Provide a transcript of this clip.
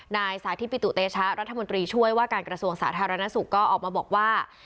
นายสาธิปิตุเตชะรัฐมนตรีช่วยว่าการกระทรวงสาธารณสุขก็ออกมาบอกว่า